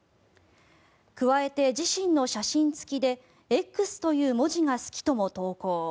加えて、自身の写真付きでＸという文字が好きとも投稿。